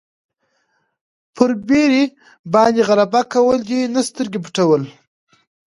پر بېرې باندې غلبه کول دي نه سترګې پټول.